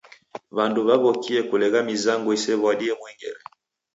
W'andu w'aw'okie kulegha mizango isew'adie mwengere.